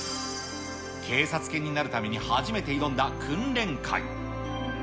警察犬になるために初めて挑んだ訓練会。